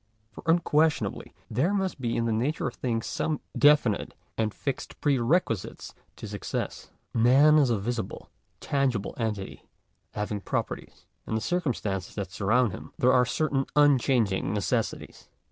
For unquestionably there must be in the nature of things some definite and fixed pre requisites to success. Man is a visible, tangible entity, having properties. In the circumstances that surround him there are certain unchanging necessities.